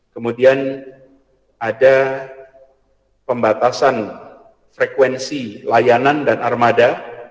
kemudian ada pembatasan frekuensi layanan dan armada